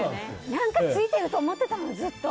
何かついてると思ってたの、ずっと。